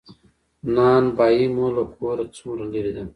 نان بایی مو له کوره څومره لری ده؟